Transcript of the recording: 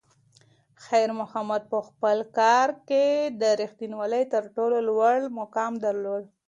خیر محمد په خپل کار کې د رښتونولۍ تر ټولو لوړ مقام درلود.